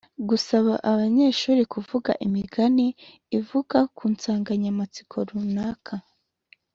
Gusaba abanyeshuri kuvuga imigani ivuga ku nsanganyamatsiko runaka